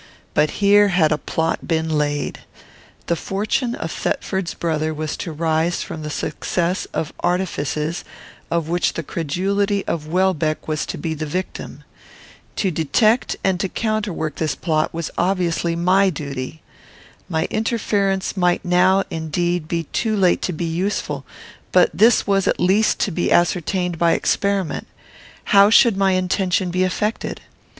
But here had a plot been laid. The fortune of Thetford's brother was to rise from the success of artifices of which the credulity of Welbeck was to be the victim. To detect and to counterwork this plot was obviously my duty. My interference might now indeed be too late to be useful; but this was at least to be ascertained by experiment. How should my intention be effected?